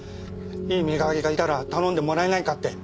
いい身代わりがいたら頼んでもらえないかって。